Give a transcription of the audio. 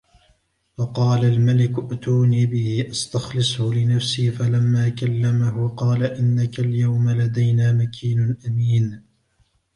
وقال الملك ائتوني به أستخلصه لنفسي فلما كلمه قال إنك اليوم لدينا مكين أمين